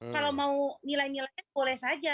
kalau mau nilai nilainya boleh saja